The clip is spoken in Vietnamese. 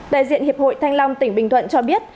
đại diện hiệp hội thanh long tỉnh bình thuận cho biết